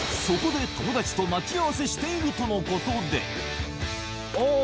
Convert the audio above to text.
そこで友達と待ち合わせしているとのことでお！